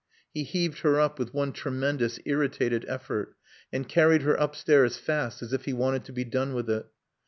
He heaved her up with one tremendous, irritated effort, and carried her upstairs, fast, as if he wanted to be done with it.